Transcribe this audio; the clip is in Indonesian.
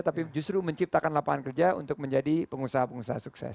tapi justru menciptakan lapangan kerja untuk menjadi pengusaha pengusaha sukses